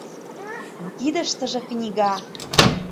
Кидыштыже книга.